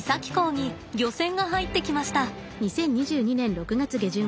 続いては漁船が入ってきました。